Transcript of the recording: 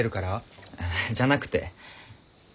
あじゃなくて。